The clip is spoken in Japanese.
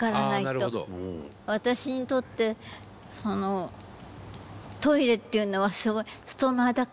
私にとってそのトイレっていうのはすごいストーマだから。